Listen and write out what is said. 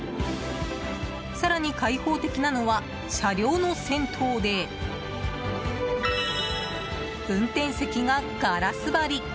更に開放的なのは車両の先頭で運転席がガラス張り。